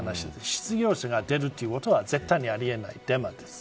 失業者が出るということは絶対にあり得ない、デマです。